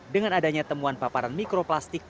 dengan adanya temuan paparan mikroplastik